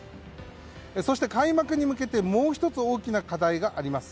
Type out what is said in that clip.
そして開幕に向けもう１つ大きな課題があります。